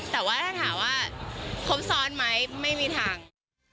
แต่ถ้าถามว่าพบซ้อนมั้ยไม่มีทาง